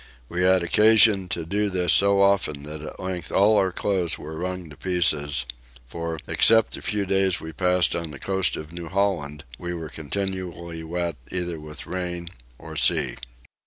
We had occasion to do this so often that at length all our clothes were wrung to pieces: for, except the few days we passed on the coast of New Holland, we were continually wet either with rain or sea.